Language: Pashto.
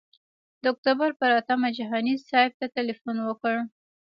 د اکتوبر پر اتمه جهاني صاحب ته تیلفون وکړ.